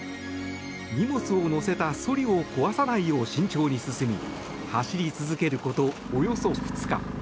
荷物を載せたそりを壊さないよう慎重に進み走り続けること、およそ２日。